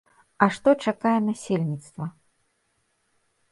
А што чакае насельніцтва?